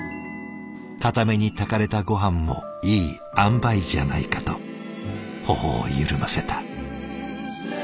硬めに炊かれたごはんもいいあんばいじゃないかと頬を緩ませた。